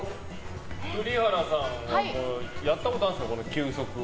栗原さんはやったことあるんですか、球速を。